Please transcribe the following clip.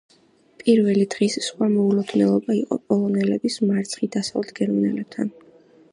პირველი დღის სხვა მოულოდნელობა იყო პოლონელების მარცხი დასავლეთ გერმანელებთან.